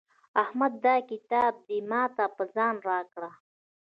احمده دا کتاب دې ما ته په ځان راکړه.